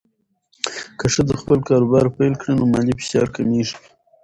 که ښځه خپل کاروبار پیل کړي، نو مالي فشار کمېږي.